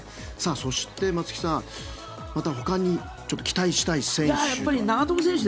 そして松木さん、またほかにちょっと期待したい選手。